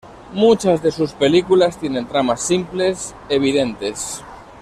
Muchas de sus películas tienen tramas simples, evidentes.